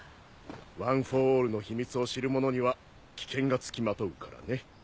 ワン・フォー・オールの秘密を知る者には危険が付きまとうからね。